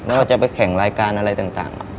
ว่าจะไปแข่งรายการอะไรต่าง